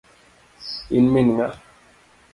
In min ng'a?